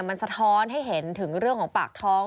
มันสะท้อนให้เห็นถึงเรื่องของปากท้อง